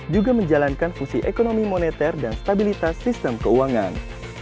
juga menjalankan fungsi ekonomi moneter dan stabilitas sistem keuangan